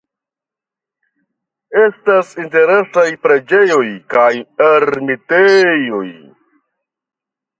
Estas interesaj preĝejoj kaj ermitejo.